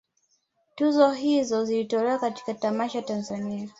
Tuzo hizo zilitolewa katika tamasha Tanzania